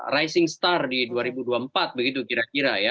rising star di dua ribu dua puluh empat begitu kira kira ya